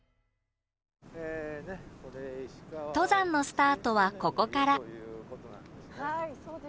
登山のスタートはここから。